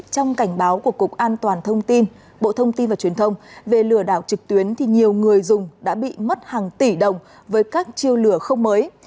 trong cảnh báo của cục an toàn thông tin bộ thông tin và truyền thông về lừa đảo trực tuyến thì nhiều người dùng đã bị mất hàng tỷ đồng với các chiêu lừa không mới